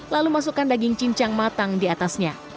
lalu masukkan daging cincang matang di atasnya